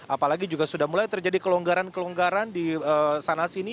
apalagi juga sudah mulai terjadi kelonggaran kelonggaran di sana sini